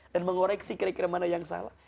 dan mengoreksi kira kira mana yang salah